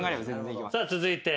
さあ続いて。